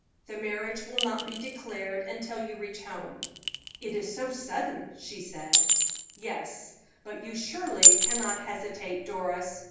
The marriage will not be declared until you reach home." "It is so sudden," she said. "Yes, but you surely cannot hesitate, Doris.